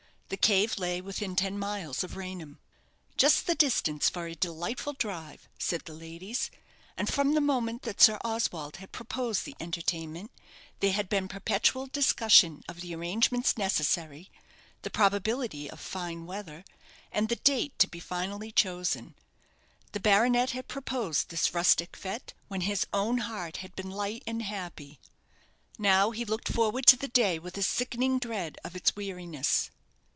The cave lay within ten miles of Raynham. "Just the distance for a delightful drive," said the ladies and from the moment that Sir Oswald had proposed the entertainment, there had been perpetual discussion of the arrangements necessary, the probability of fine weather, and the date to be finally chosen. The baronet had proposed this rustic fête when his own heart had been light and happy; now he looked forward to the day with a sickening dread of its weariness.